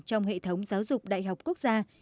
trong hệ thống giáo dục đại học quốc gia